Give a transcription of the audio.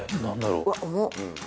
うわっ重っ